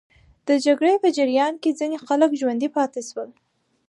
د جګړې په جریان کې ځینې خلک ژوندي پاتې سول.